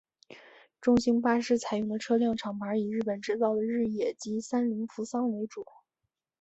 中兴巴士采用的车辆厂牌以日本制造的日野及三菱扶桑为主。